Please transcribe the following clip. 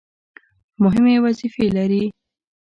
مهمې وظیفې لري.